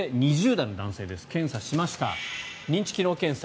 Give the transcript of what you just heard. ２０代の男性です検査しました、認知機能検査。